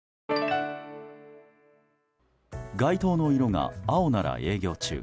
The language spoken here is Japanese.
外灯の色が青なら営業中